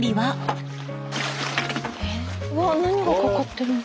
うわ何がかかってるの？